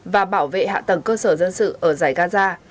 và bảo vệ hạ tầng cơ sở dân sự ở giải gaza